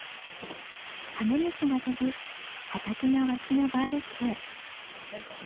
カメムシが飛ぶ畑の脇のバーベキュー。